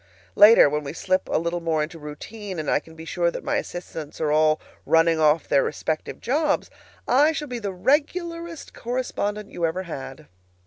Later, when we slip a little more into routine, and I can be sure that my assistants are all running off their respective jobs, I shall be the regularest correspondent you ever had.